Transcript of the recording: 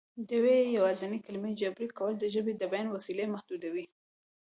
د یوې یوازینۍ کلمې جبري کول د ژبې د بیان وسیلې محدودوي